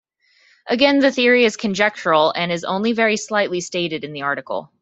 Again the theory is conjectural and is only very slightly stated in the article.